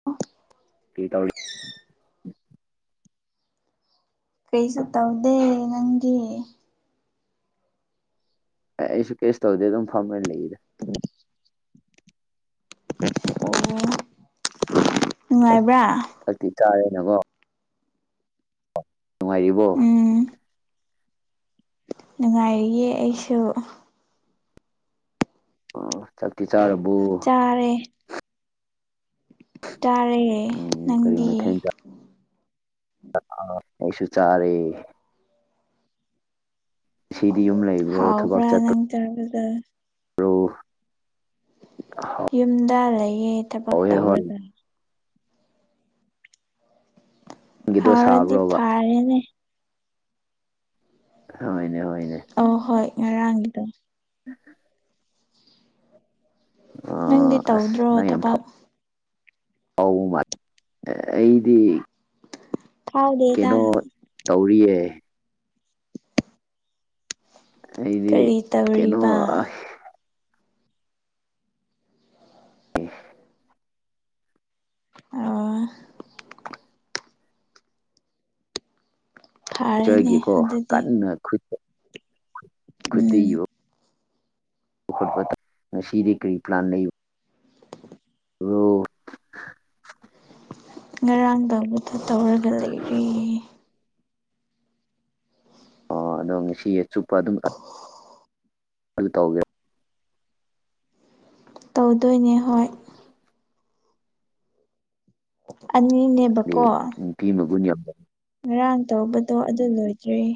[unintelligible] ꯀꯔꯤ ꯇꯧꯔꯤ ꯀꯩꯁꯨ ꯇꯧꯗꯦ ꯅꯪꯒꯤ ꯑꯦ ꯑꯩꯁꯨ ꯀꯦꯁꯨ ꯇꯧꯗꯦ ꯑꯗꯨꯝ ꯐꯝꯃꯅ ꯂꯩꯗ ꯑꯣ ꯅꯨꯡꯉꯥꯏꯕ꯭ꯔꯥ ꯐꯛꯇꯤ ꯇꯥꯔꯦꯅꯀꯣ ꯅꯨꯡꯉꯥꯏꯔꯤꯕꯣ ꯎꯝ ꯅꯨꯡꯉꯥꯏꯔꯤꯌꯦ ꯑꯩꯁꯨ ꯎ ꯆꯥꯛꯇꯤ ꯆꯥꯔꯕꯣ ꯆꯥꯔꯦ ꯆꯥꯔꯦ ꯅꯪꯗꯤ ꯀꯔꯤꯝꯅꯣ ꯊꯣꯡꯒꯦ ꯑꯩꯁꯨ ꯆꯥꯔꯦ ꯁꯤꯗꯤ ꯌꯨꯝ ꯂꯩꯕ꯭ꯔꯣ ꯊꯕꯛ ꯍꯥꯎꯕ꯭ꯔ ꯅꯪ ꯆꯠꯄ꯭ꯔꯣ ꯆꯕꯗꯣ [unintelligible] ꯌꯨꯝꯗ ꯂꯩꯌꯦ ꯊꯕꯛ ꯍꯣꯏ ꯍꯣꯏ ꯇꯧꯔꯒ ꯅꯪꯒꯤꯗꯣ ꯍꯥꯎꯔꯗꯤ ꯁꯥꯕ꯭ꯔꯣꯕ ꯐꯔꯦꯅꯦ ꯍꯣꯏꯅꯦ ꯍꯣꯏꯅꯦ ꯑ ꯍꯣꯏ ꯉꯔꯥꯡꯒꯤꯗ [unintelligible] ꯅꯪꯗꯤ ꯑꯣ ꯑꯁ ꯇꯧꯗ꯭ꯔꯣ ꯊꯕꯛ ꯑꯥꯎ ꯃꯥꯜ ꯑꯩꯗꯤ ꯐꯥꯎꯗꯦꯗ ꯀꯩꯅꯣ ꯇꯧꯔꯤꯌꯦ ꯑꯩꯗꯤ ꯀꯔꯤ ꯀꯩꯅꯣ ꯇꯧꯔꯤꯕ [unintelligible] ꯑ ꯐꯔꯦꯅꯦ ꯀꯤꯛꯆꯔꯒꯦꯀꯣ ꯑꯗꯨꯗꯤ ꯀꯟꯅ ꯈꯨꯠꯇ ꯈꯨꯠꯇ ꯎꯝ ꯏꯕ ꯈꯠ ꯉꯁꯤꯗꯤ ꯀꯔꯤ ꯄ꯭ꯂꯥꯟ ꯂꯩ ꯕꯔꯣ ꯉꯔꯥꯡꯗꯂꯊ ꯇꯧꯔꯒ ꯂꯩꯔꯤ ꯑꯣ ꯑꯗꯣ ꯉꯁꯤ ꯆꯨꯞꯄ ꯑꯗꯨꯝ [unintelligible] ꯑꯗꯨ ꯇꯧꯒꯦ ꯇꯧꯗꯣꯏꯅꯦ ꯍꯣꯏ ꯑꯅꯤꯅꯦꯕꯀꯣ ꯇꯤꯝꯒꯟꯌꯥ ꯉꯔꯥꯡ ꯇꯧꯕꯗꯣ ꯑꯗꯨ ꯂꯣꯏꯗ꯭ꯔꯔꯤ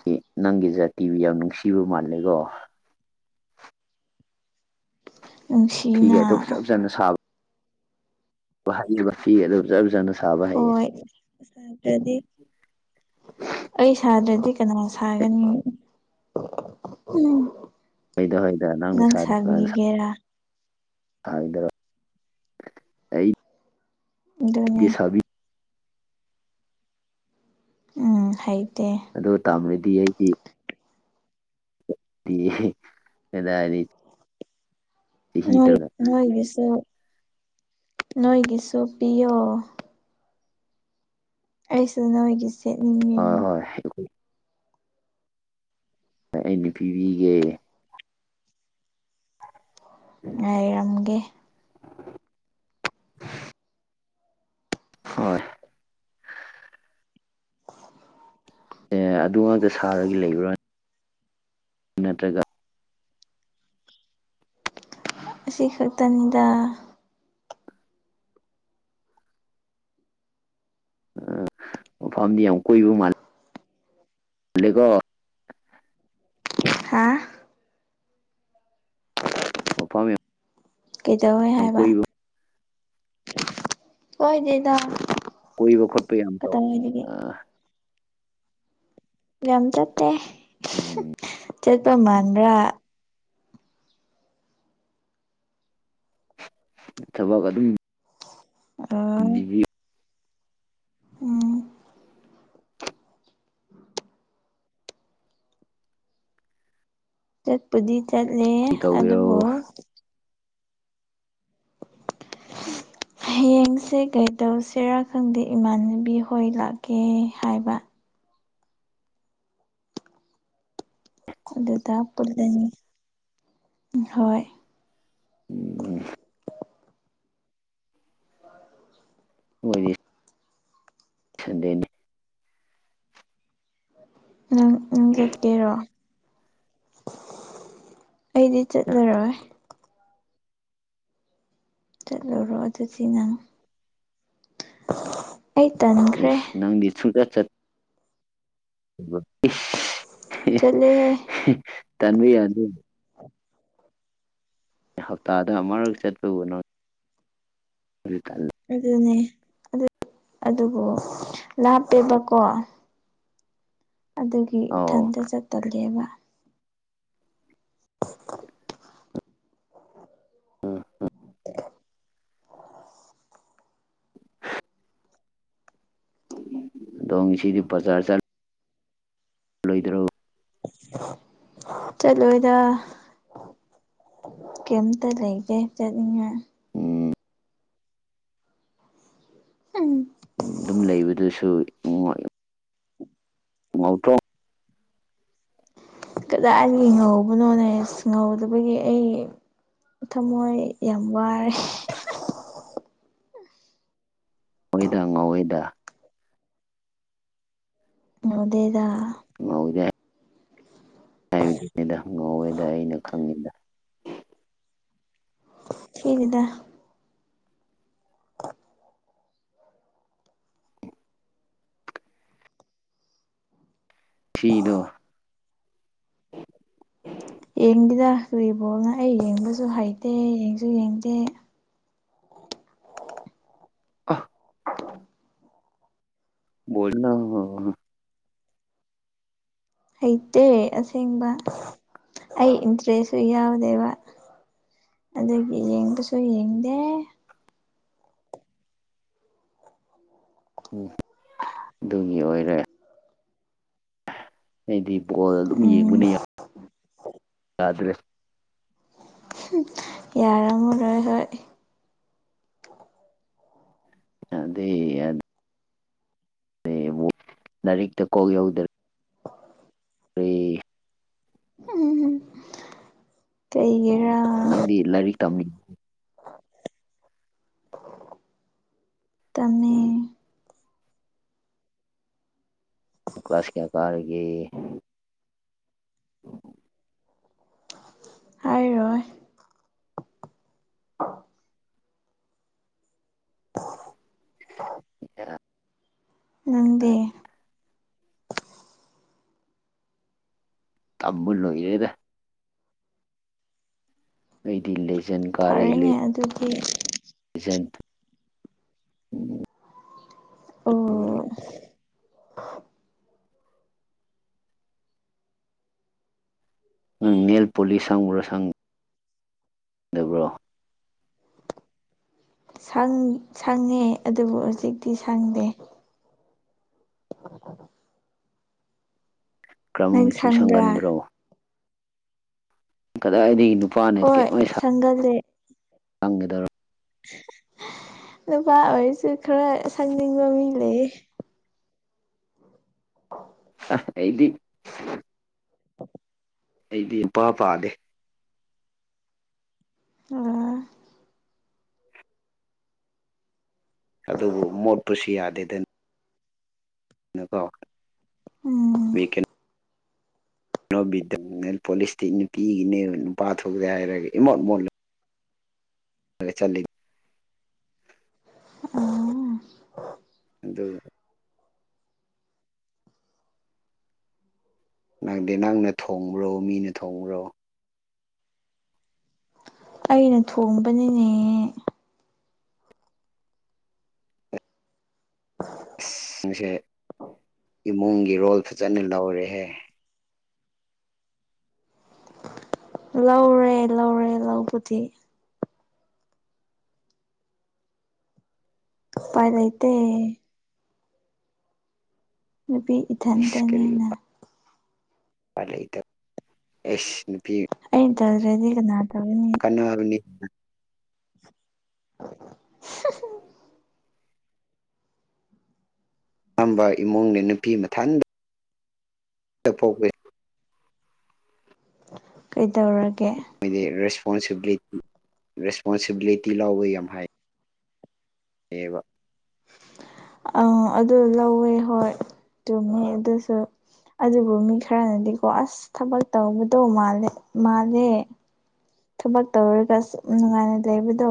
ꯁꯤ ꯅꯪꯒꯤ ꯖꯥꯇꯤꯕꯨ ꯌꯥꯝ ꯅꯨꯡꯁꯤꯕ ꯃꯥꯜꯂꯦꯀꯣ ꯐꯤꯒ ꯑꯇꯣꯞ ꯅꯨꯡꯁꯤꯅ ꯆꯞꯖꯥꯅ ꯁꯥꯕ ꯍꯥꯏꯔꯤꯕ ꯐꯤ ꯑꯗꯨ ꯆꯞꯖꯥꯅ ꯍꯣꯏꯗꯤ ꯑꯩ ꯁꯥꯗ꯭ꯔꯗꯤ ꯀꯅꯥ ꯁꯥꯒꯅꯤ ꯎꯝ ꯍꯣꯏꯗ ꯍꯣꯏꯗ ꯅꯪꯅ ꯅꯪ ꯁꯕꯤꯒꯤꯒꯦꯔꯥ ꯊ ꯏꯗꯔ ꯎ ꯁꯥꯕꯤ ꯎꯝ ꯍꯩꯇꯦ ꯑꯗꯣ ꯇꯥꯝꯃꯗꯤ ꯑꯩꯗꯤ ꯑꯦꯗꯥꯗꯤ ꯅꯣꯏ ꯅꯣꯏꯒꯤꯁꯨ ꯅꯣꯏꯒꯤꯁꯨ ꯄꯤꯌꯣ ꯑꯩꯁꯨ ꯅꯣꯏꯒꯤꯁꯦꯅꯤꯡ ꯍꯣꯏ ꯍꯣꯏ ꯑꯩꯅ ꯄꯤꯕꯤꯒꯦ ꯉꯥꯏꯔꯝꯒꯦ ꯍꯣꯏ [inaudible] ꯑꯦ ꯑꯗꯨ ꯉꯥꯛꯇ ꯁꯥꯔꯒ ꯂꯩꯕ꯭ꯔꯥꯅꯦ ꯏ꯭ꯔꯒ ꯑꯁꯤ ꯈꯛꯇꯅꯤꯗ ꯎ ꯃꯐꯝꯐꯝꯗꯤ ꯌꯥꯝ ꯀꯣꯏꯕ ꯃꯥꯜꯂꯦ ꯒꯣ ꯍꯥ ꯑꯣꯄꯥꯝ ꯀꯩꯗꯧꯋꯦ ꯍꯥꯏꯕ ꯑꯣꯏꯣꯏꯗꯗ ꯀꯣꯏꯕ ꯈꯣꯠꯄ ꯌꯥꯝ ꯇꯧ ꯑ ꯌꯥꯝ ꯆꯠꯇꯦ ꯎꯝ ꯆꯠꯄ ꯃꯥꯟꯕ꯭ꯔꯥ ꯊꯕꯛ ꯑꯗꯨꯝ ꯑꯣ ꯕꯤ ꯎꯝ ꯆꯠꯄꯗꯤ ꯆꯠꯂꯦ ꯑꯗꯨꯕꯨ ꯇꯧꯒꯦꯔꯣ [inaudible] ꯍꯌꯦꯡꯁꯦ ꯀꯩꯗꯧꯁꯤꯔꯥ ꯈꯪꯗꯦ ꯏꯃꯥꯟꯅꯕꯤ ꯍꯣꯏ ꯂꯥꯛꯀꯦ ꯍꯥꯏꯕ ꯑꯗꯨꯗ ꯄꯨꯅꯤ ꯍꯣꯏ ꯎꯝ ꯎꯝ ꯑꯣꯏꯣꯏ ꯁꯟꯗꯦꯅꯤ ꯅꯪ ꯅꯪ ꯆꯠꯀꯦꯔꯣ ꯑꯩꯗꯤ ꯆꯠꯂꯔꯣꯏ ꯆꯠꯂꯨꯔꯣ ꯑꯗꯨꯗꯤ ꯅꯪ ꯑꯩ ꯇꯅ ꯏꯁ ꯅꯪꯗꯤꯨ ꯆꯠ ꯆ ꯆꯠꯂꯦꯍꯦ ꯇꯟꯕꯤ ꯌꯥꯅꯤ ꯑꯦ ꯍꯞꯇꯥꯗ ꯑꯃꯔꯛ ꯆꯠꯄꯅꯣ ꯍꯔꯤ ꯆ ꯑꯗꯨꯅꯦ ꯑꯗꯨꯕꯨ ꯂꯥꯞꯄꯦꯕꯀꯣ ꯑꯗꯨꯒꯤ ꯑꯧ ꯏꯊꯟꯇ ꯆꯠꯇꯂꯦꯕ [inaudible] ꯗꯣꯡ ꯁꯤꯗꯤ ꯄꯆꯆꯥ ꯆꯠ ꯂꯣꯏꯗ꯭ꯔꯣ ꯆꯠꯂꯣꯏꯗ ꯀꯝꯇ ꯂꯩꯒꯦ ꯆꯅꯤꯡ ꯎꯝ ꯎꯝ ꯑꯗꯨꯝ ꯂꯩꯕꯗꯨꯁꯨ ꯉꯥꯎꯇꯣꯡ ꯀꯗꯥꯏ ꯂ ꯉꯧꯕꯅꯣꯅꯦ ꯉꯧꯗꯕꯒꯤ ꯑꯩ ꯀꯊ ꯃꯣꯏ ꯌꯥꯝ ꯋꯥꯔꯦ [inaudible] ꯑꯩꯈꯣꯏꯗ ꯉꯧꯣꯏꯗ ꯑꯗꯨꯗꯦꯗ [inaudible] ꯍꯥꯏꯕꯗꯨ ꯃꯦꯗꯥ ꯉꯧꯋꯦꯗ ꯑꯩꯅ ꯈꯪꯉꯤꯗ ꯍꯒꯗ ꯁꯤꯗꯣ ꯌꯦꯡꯗꯦꯗ ꯀꯔꯤꯕꯣꯜꯅ ꯑꯩ ꯌꯦꯡꯕꯁꯨ ꯍꯩꯇꯦ ꯌꯦꯡꯁꯨ ꯌꯦꯡꯗꯦ ꯑ [inaudible] ꯕꯣꯜꯅ ꯍꯩꯇꯦ ꯑꯁꯦꯡꯕ ꯑꯩ ꯏꯟꯇꯔꯦꯁꯁꯨ ꯌꯥꯎꯗꯦꯕ ꯑꯗꯨꯒꯤ ꯌꯦꯡꯕꯁꯨ ꯌꯦꯡꯗꯦ ꯎꯝ ꯑꯗꯨꯒꯤ ꯑꯣꯏꯔꯦ ꯍꯥꯏꯗꯤ ꯕꯣꯜ ꯑꯗꯨꯝ ꯌꯦꯡꯕ ꯎꯝ ꯌꯥ ꯌꯥꯗ꯭ꯔꯦ ꯌꯥꯔꯝꯃꯨꯔꯣꯏ ꯍꯣꯏ ꯑꯗꯦ ꯑꯗ ꯅ ꯑꯃꯨꯛ ꯂꯥꯏꯔꯤꯛꯇ ꯀꯣꯛ ꯌꯧꯗꯔꯕ ꯇꯦ ꯎꯝꯝ ꯅꯪꯗꯤ ꯂꯥꯏꯔꯤꯛ ꯇꯝꯃꯤ ꯇꯃꯃꯦ ꯀ꯭ꯂꯥꯁ ꯀꯌꯥ ꯀꯥꯔꯒ ꯑꯣ ꯍꯥꯏꯔꯣꯏ ꯑꯔ ꯅꯪꯗꯤ ꯇꯥꯕ ꯂꯣꯏꯔꯦꯗ ꯑꯩꯗꯤ ꯂꯩ ꯐꯔꯦꯅꯦ ꯑꯗꯨꯒꯤ ꯑꯦꯖꯦꯟ ꯎꯝ [inaudible] ꯅꯪ ꯅꯦꯜ ꯄꯣꯂꯤꯁ ꯁꯪꯕ꯭ꯔꯣ ꯁꯪꯗꯕ꯭ꯔꯣ ꯁꯪꯉꯦ ꯑꯗꯨꯕꯨ ꯍꯧꯖꯤꯛꯇꯤ ꯁꯪꯗꯦ ꯑꯣ ꯀꯔꯝꯕ ꯃꯆꯨ ꯁꯪꯕ꯭ꯔꯥ ꯁꯪꯒꯟꯕ꯭ꯔꯣ ꯀꯗꯥꯏꯗꯒꯤ ꯅꯨꯄꯥꯅ ꯍꯣꯏ ꯁꯪꯒꯜꯂꯦ [unintelligible] ꯅꯨꯄꯥ ꯑꯣꯏꯔꯁꯨ ꯈꯔ ꯁꯪꯅꯤꯡꯕ ꯃꯤ ꯂꯩꯌꯦ [unintelligible] ꯑ ꯑꯩꯗꯤ ꯑꯩꯗꯤ ꯏꯄꯥ ꯄꯥꯗꯦ ꯎꯝ ꯑꯗꯨꯕꯨ ꯃꯣꯠꯄꯁꯤ ꯌꯥꯗꯦꯗ ꯅꯀꯣ ꯎꯝ [unintelligible] ꯅꯦꯜ ꯄꯣꯂꯤꯁꯇꯤ ꯅꯨꯄꯤꯒꯤꯅꯦꯕ ꯅꯨꯄꯥ ꯊꯣꯛꯇꯦ ꯍꯥꯏꯔꯒ ꯏꯃꯣꯠ ꯃꯣꯠꯂ [unintelligible] ꯑꯥ ꯑꯗꯨ ꯅꯪꯗꯤ ꯅꯪꯅ ꯊꯣꯡꯕ꯭ꯔꯣ ꯃꯤꯅ ꯊꯣꯡꯕ꯭ꯔꯣ ꯑꯩꯅ ꯊꯣꯡꯕꯅꯤꯅꯦ ꯑꯁ ꯅꯪꯁꯦ ꯏꯃꯨꯡꯒꯤ ꯔꯣꯜ ꯐꯖꯅ ꯂꯧꯔꯦꯍꯦ ꯂꯧꯔꯦ ꯂꯧꯔꯦ ꯂꯧꯕꯗꯤ ꯎꯄꯥꯏ ꯂꯩꯇꯦ ꯅꯨꯄꯤ ꯏꯠ ꯏꯁ ꯀꯔꯤ ꯎꯄꯥꯏ ꯂꯩꯇꯦ ꯑꯥꯏꯁ ꯅꯨꯄꯤ ꯑꯩꯅ ꯇꯧꯗ꯭ꯔꯗꯤ ꯀꯅꯥ ꯇꯧꯒꯅꯤ ꯅꯒꯅꯤ ꯇꯝꯕ ꯏꯃꯨꯡꯅꯦ ꯅꯨꯄꯤ ꯃꯊꯟꯗ [unintelligible] ꯀꯩꯗꯧꯔꯒꯦ ꯈꯣꯏꯗꯤ ꯔꯦꯁꯄꯣꯟꯁꯤꯕꯤꯂꯤ ꯔꯦꯁꯄꯣꯟꯁꯤꯕꯤꯂꯤꯇꯤ ꯂꯧꯕ ꯌꯥꯝ ꯍꯥꯏ ꯑꯦꯕ ꯑꯧ ꯑꯗꯨ ꯂꯧꯋꯦ ꯍꯣꯏ ꯆꯨꯝꯃꯤ ꯑꯗꯨꯁꯨ ꯑꯗꯨꯕꯨ ꯃꯤ ꯈꯔꯅꯗꯤꯀꯣ ꯑꯁ ꯊꯕꯛ ꯇꯧꯕꯗꯣ ꯃꯥꯜꯂꯦ ꯃꯥꯜꯂꯦ ꯊꯕꯛ ꯇꯧꯔꯒ ꯁꯨꯝ ꯅꯨꯡꯉꯥꯏꯅ ꯂꯩꯕꯗꯣ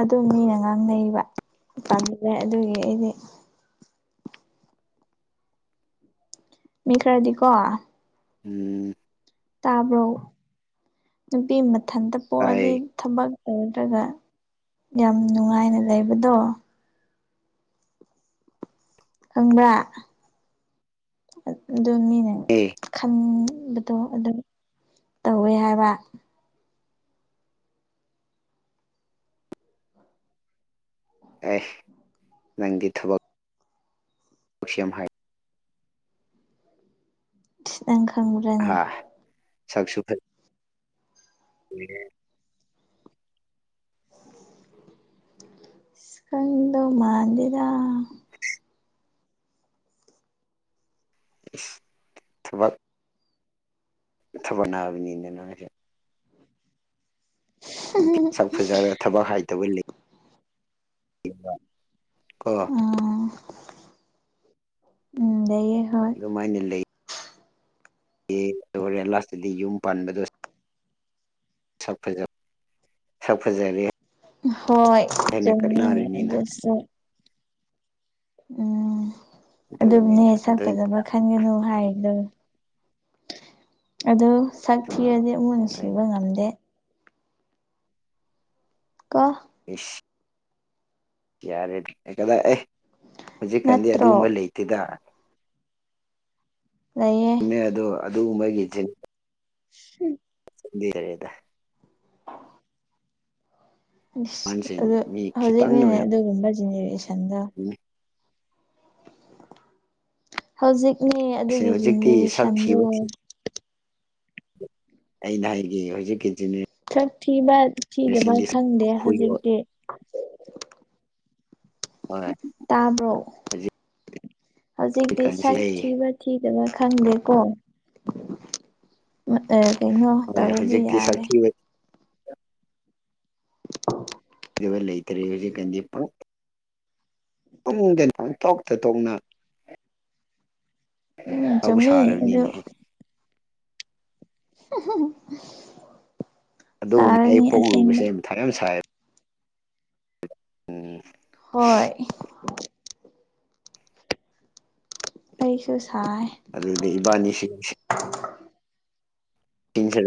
ꯑꯗꯨꯝ ꯃꯤꯅ ꯉꯥꯡꯅꯩꯕ ꯇꯟꯒꯔꯦ ꯑꯗꯨꯒꯤ ꯑꯩꯗꯤ ꯃꯤ ꯈꯔꯗꯤꯀꯣ ꯎꯝ ꯇꯥꯕ꯭ꯔꯣ ꯅꯨꯄꯤ ꯃꯊꯟꯇ ꯄꯣꯛꯑꯗꯤ ꯇꯥꯏ ꯊꯕꯛ ꯇꯧꯗꯔ꯭ꯒ ꯌꯥꯝ ꯅꯨꯡꯉꯥꯏꯅ ꯂꯩꯕꯗꯣ ꯈꯪꯕ꯭ꯔ ꯑꯗꯨ ꯃꯤꯅ ꯑꯦ ꯈꯪꯕꯗꯣ ꯑꯗꯨꯝ ꯇꯧꯋꯦ ꯍꯥꯏꯕ ꯑꯦ ꯅꯪꯗꯤ ꯊꯕꯛ [unintelligible] ꯍꯥꯏ ꯏꯁ ꯅꯪ ꯈꯪꯕ꯭ꯔꯥꯅꯦ ꯍꯥ ꯁꯛꯁꯨ ꯐꯠ [unintelligible] ꯈꯪꯗꯧ ꯃꯥꯟꯗꯦꯗꯥ ꯏꯁ ꯊꯕꯛ ꯊꯕꯛ ꯅꯥꯕꯅꯤꯅ ꯅꯪꯖꯨ ꯅꯨꯄꯤ ꯁꯛ ꯐꯖꯔ ꯊꯕꯛ ꯍꯥꯏꯇꯕ ꯂꯩ [unintelligible] ꯑꯣ ꯎꯝ ꯎꯝ ꯂꯩꯌꯦ ꯍꯣꯏ ꯃꯥꯏꯅ ꯂꯩ ꯌꯦ ꯑꯗꯣ ꯍꯣꯔꯦꯟ ꯂꯥꯁꯇꯗꯤ ꯌꯨꯝ ꯄꯥꯟꯕꯗꯣ ꯁꯛ ꯐꯖꯕꯥ ꯁꯛ ꯐꯥꯖꯔꯦ ꯍꯣꯏ ꯆꯨꯃꯤꯅꯦ ꯀꯠꯅꯔꯤꯅꯤꯅ ꯑꯗꯨꯁꯨ ꯎꯝ ꯑꯗꯨꯝꯅꯦ ꯑꯗꯨꯅꯤꯅ ꯁꯛ ꯑꯗꯨ ꯐꯖꯕ ꯈꯛ ꯈꯟꯒꯅꯨ ꯍꯥꯏꯌꯦ ꯗꯨꯝ ꯑꯗꯣ ꯁꯛ ꯊꯤꯔꯗꯤ ꯑꯃꯨꯛ ꯅꯨꯡꯁꯤꯕ ꯉꯝꯗꯦ ꯀꯣ ꯏꯁ ꯌꯥꯔꯦꯗꯤ ꯀꯗꯥꯏ ꯑꯦ ꯍꯧꯖꯤꯛꯀꯥꯟꯗꯤ ꯅꯠꯇ꯭ꯔꯣ ꯑꯗꯨꯒꯨꯝꯕ ꯂꯩꯇꯦꯗ ꯂꯩꯏꯌꯦ ꯊꯝꯃꯦ ꯑꯗꯣ ꯑꯗꯨꯒꯨꯝꯕꯒꯤ ꯖꯤꯟ ꯎꯝ ꯑꯗꯨꯗꯤ ꯇꯜꯂꯦꯗꯥ ꯏꯁ ꯑꯍꯟꯁꯤꯡ ꯑꯗꯨ ꯃꯤ ꯍꯧꯖꯤꯛꯅꯤꯅꯦ ꯑꯗꯨꯒꯨꯝꯕ ꯖꯦꯅꯦꯔꯦꯁꯟꯗꯣ ꯎꯝ ꯍꯧꯖꯤꯛꯅꯤꯅꯦ ꯑꯗꯨꯒꯤ ꯍꯧꯖꯤꯛꯇꯤ ꯁꯛ ꯖꯤꯅꯤꯔꯦꯁꯟꯗꯣ ꯊꯤꯕ ꯑꯩꯅ ꯍꯥꯏꯒꯦ ꯍꯧꯖꯤꯛꯀꯤ ꯖꯤꯅꯤ ꯁꯛ ꯊꯤꯕ ꯊꯤꯗꯕ ꯈꯪꯗꯦ ꯍꯨꯏ ꯍꯧꯖꯤꯛꯇꯤ ꯍꯣꯏ ꯇꯥꯕ꯭ꯔꯣ ꯍꯧꯖꯤꯛꯇꯤ ꯍꯧꯖꯤꯛꯀꯥꯟꯁꯤ ꯁꯛ ꯂꯩ ꯊꯤꯕ ꯊꯤꯗꯕ ꯈꯪꯗꯦꯀꯣ ꯀꯩꯅꯣ ꯍꯣꯏ ꯇꯧꯔꯗꯤ ꯍꯧꯖꯤꯛꯇꯤ ꯌꯥꯔꯦ ꯁꯛꯊꯤꯕ [unintelligible] ꯑꯗꯨꯒꯥ ꯂꯩꯇ꯭ꯔꯦ ꯍꯧꯖꯤꯛꯀꯥꯟꯗꯤ ꯄꯨꯛ ꯐꯃꯨꯡꯗ ꯇꯣꯛꯇ ꯇꯣꯛꯅ ꯎꯝ ꯆꯨꯨꯝꯃꯤ ꯑꯗꯨ ꯃꯍꯧꯁꯥꯔꯕꯅꯤꯅꯦꯍꯦ ꯑꯗꯨꯒꯨꯝꯕ ꯑꯩ ꯁꯥꯔꯦꯅꯦ ꯄꯣꯛꯂꯨꯕꯁꯦ ꯑꯁꯦꯡꯕ ꯑꯩ ꯃꯊꯥ ꯌꯥꯝ ꯁꯥꯏ ꯎꯝ ꯍꯣꯏ ꯑꯩꯁꯨ ꯁꯥꯏ ꯑꯗꯨꯗꯤ ꯏꯕꯥꯅꯤꯁꯦ ꯇꯤꯡꯖꯔꯣ [inaudible]